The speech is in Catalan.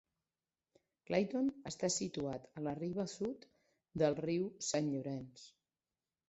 Clayton està situat a la riba sud del riu Sant Llorenç.